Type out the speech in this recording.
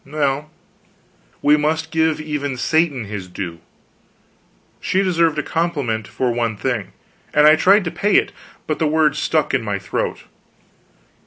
Well, we must give even Satan his due. She deserved a compliment for one thing; and I tried to pay it, but the words stuck in my throat.